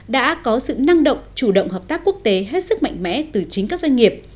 đã có sự năng động chủ động hợp tác quốc tế hết sức mạnh mẽ từ chính các doanh nghiệp